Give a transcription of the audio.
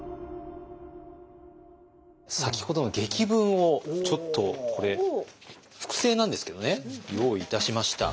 先ほどの檄文をちょっとこれ複製なんですけどね用意いたしました。